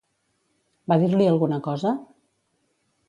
Va dir-li alguna cosa?